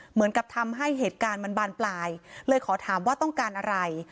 เหมือนกับทำให้เหตุการณ์มันบานปลายเลยขอถามว่าต้องการอะไร